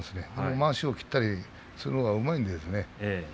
まわしを切ったりするのがうまいんですよ。